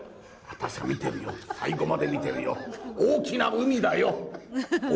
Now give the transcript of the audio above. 見てるよ、最後まで見てるよ、大きな海だよ。